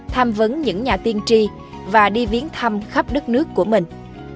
tham vấn những nhà tiên tri và đi viến thăm khắp đất nước của mình